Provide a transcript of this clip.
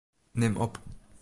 Nim op.